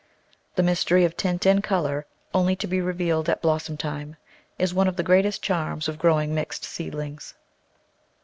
The mystery of tint and colour, only to be revealed at blossom time, is one of the greatest charms of growing mixed seedlings.